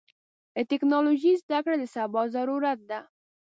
د ټکنالوژۍ زدهکړه د سبا ضرورت ده.